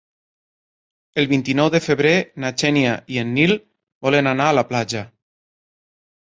El vint-i-nou de febrer na Xènia i en Nil volen anar a la platja.